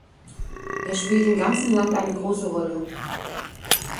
Er spielt im ganzen Land eine große Rolle.